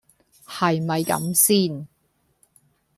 係咪咁先